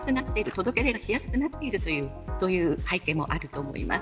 届け出がしやすくなっているという背景もあると思います。